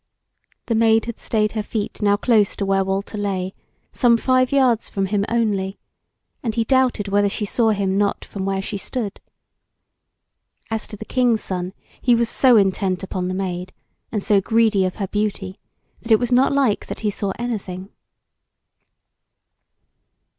The Maid had stayed her feet now close to where Walter lay, some five yards from him only, and he doubted whether she saw him not from where she stood. As to the King's Son, he was so intent upon the Maid, and so greedy of her beauty, that it was not like that he saw anything.